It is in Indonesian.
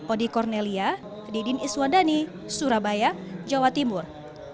ody cornelia dedin iswadani surabaya jawa timur